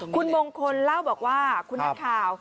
คุณมงคลเล่าบอกว่าคุณนักข่าว